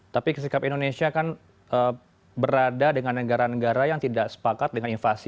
tapi sikap indonesia kan berada dengan negara negara yang tidak sepakat dengan invasi